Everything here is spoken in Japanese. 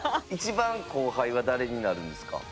一番後輩は誰になるんですか？